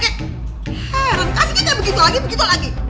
heran kasih kayak begitu lagi begitu lagi